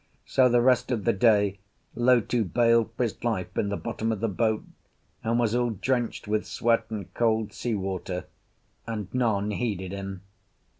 So the rest of the day Lotu bailed for his life in the bottom of the boat, and was all drenched with sweat and cold sea water; and none heeded him.